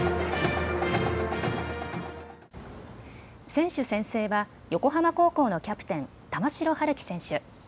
選手宣誓は横浜高校のキャプテン、玉城陽希選手。